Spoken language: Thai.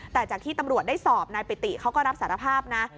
แต่จากที่ตำรวจได้สอบนายปิติเขาก็รับสารภาพนะ